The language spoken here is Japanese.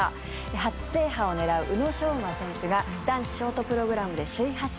初制覇を狙う宇野昌磨選手が男子ショートプログラムで首位発進。